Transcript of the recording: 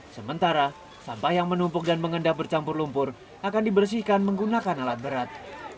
sementara sampah yang menumpuk dan mengendap bercampur lumpur akan dibersihkan menggunakan alat berat